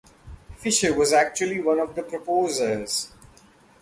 Fisher was actually one of the proposers.